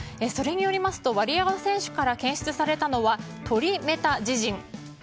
それによりますとワリエワ選手から検出されたのはトリメタジジン。